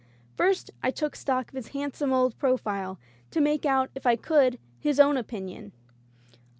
First I took stock of his handsome old pro file, to make out, if I could, his own opinion.